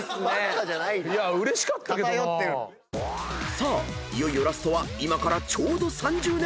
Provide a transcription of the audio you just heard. ［さあいよいよラストは今からちょうど３０年前］